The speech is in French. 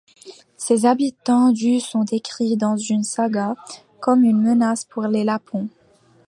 Ses habitants du sont décrits dans une saga comme une menace pour les Lapons.